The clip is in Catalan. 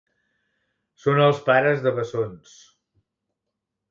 Són els pares de bessons.